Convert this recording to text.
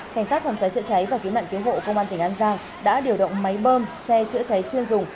cảnh sát phòng cháy chữa cháy và cứu nạn cứu hộ công an tỉnh an giang đã điều động máy bơm xe chữa cháy chuyên dùng